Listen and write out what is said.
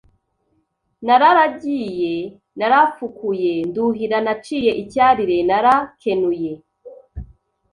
Nararagiye, narafukuye nduhira, naciye icyarire narakenuye,